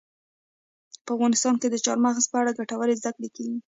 په افغانستان کې د چار مغز په اړه ګټورې زده کړې کېږي.